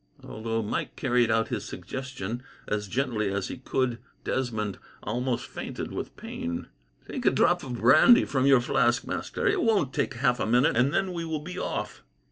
Although Mike carried out his suggestion as gently as he could, Desmond almost fainted with pain. "Take a drop of brandy from your flask, master. It won't take half a minute, and then we will be off."